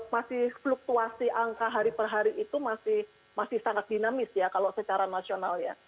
masih fluktuasi angka hari per hari itu masih sangat dinamis ya kalau secara nasional ya